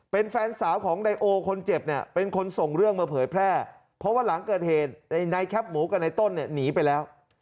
เป็นแฟนสาวของนายโอคนเจ็บเนี่ยเป็นคนส่งเรื่องมาเผยแพร่เพราะว่าหลังเกิดเหตุในแคปหมูกับในต้นเนี่ยหนีไปแล้ว